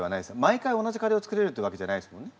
毎回同じカレーを作れるっていうわけじゃないですもんね。